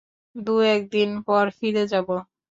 দু-একদিন পর ফিরে যাব।